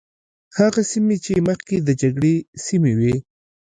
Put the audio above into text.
هغه سیمې چې مخکې د جګړې سیمې وي.